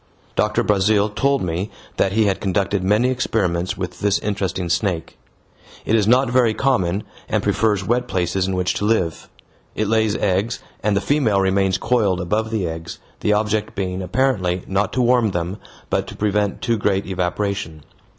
Doctor Brazil told me that he had conducted many experiments with this interesting snake. It is not very common, and prefers wet places in which to live. It lays eggs, and the female remains coiled above the eggs, the object being apparently not to warm them, but to prevent too great evaporation.